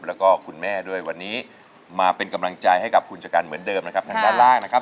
แล้วก็คุณแม่ด้วยวันนี้มาเป็นกำลังใจให้กับคุณชะกันเหมือนเดิมนะครับทางด้านล่างนะครับ